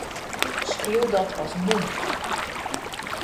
Skriuw dat as nûmer.